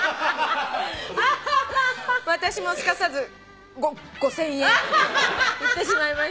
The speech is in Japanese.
「私もすかさず『５５，０００円』言ってしまいました」